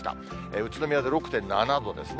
宇都宮で６．７度ですね。